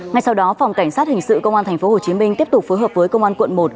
ngay sau đó phòng cảnh sát hình sự công an tp hcm tiếp tục phối hợp với công an quận một